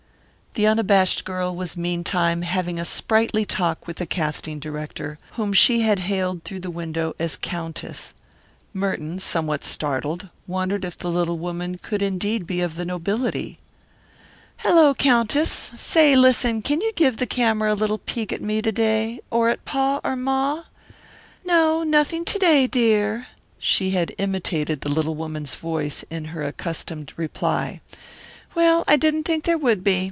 The unabashed girl was meantime having sprightly talk with the casting director, whom she had hailed through the window as Countess. Merton, somewhat startled, wondered if the little woman could indeed be of the nobility. "Hello, Countess! Say, listen, can you give the camera a little peek at me to day, or at pa or ma? 'No, nothing to day, dear.'" She had imitated the little woman's voice in her accustomed reply. "Well, I didn't think there would be.